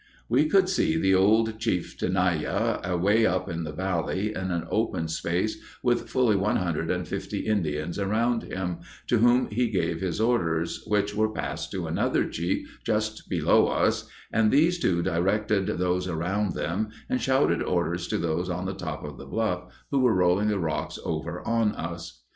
We could see the old Chief Tenieya way up in the Valley in an open space with fully one hundred and fifty Indians around him, to whom he gave his orders, which were passed to another Chief just below us, and these two directed those around them and shouted orders to those on the top of the bluff who were rolling the rocks over on us.